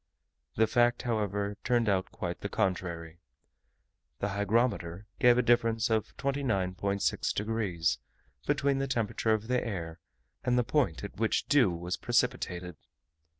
The fact, however, turned out quite the contrary. The hygrometer gave a difference of 29.6 degs., between the temperature of the air, and the point at which dew was precipitated.